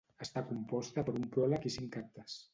Està composta per un pròleg i cinc actes.